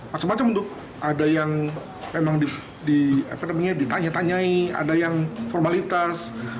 macam macam untuk ada yang memang ditanya tanyai ada yang formalitas